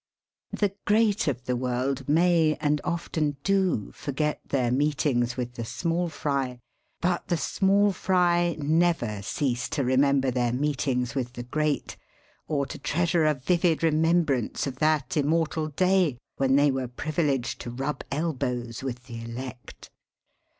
The great of the world may, and often do, forget their meetings with the small fry, but the small fry never cease to remember their meetings with the great, or to treasure a vivid remembrance of that immortal day when they were privileged to rub elbows with the elect.